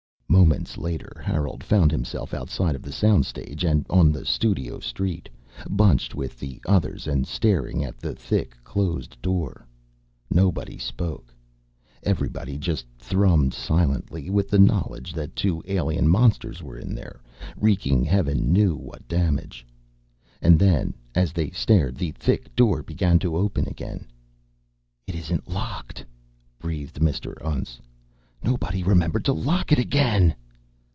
Moments later Harold found himself outside of the sound stage and on the studio street, bunched with the others and staring at the thick closed door. Nobody spoke. Everybody just thrummed silently with the knowledge that two alien monsters were in there, wreaking heaven knew what damage.... And then, as they stared, the thick door began to open again. "It isn't locked!" breathed Mr. Untz. "Nobody remembered to lock it again!"